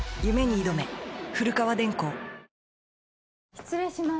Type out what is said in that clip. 失礼します